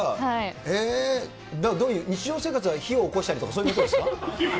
へー、どういう、日常生活は火をおこしたり、そういうことですか？